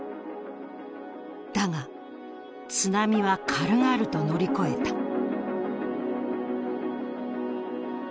だが、津波は軽々と乗り越えた。